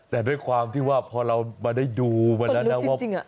แต่ด้วยความที่ว่าพอเรามาได้ดูมาละนะว่าเป็นลุกจริงอะ